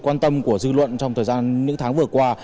quan tâm của dư luận trong thời gian những tháng vừa qua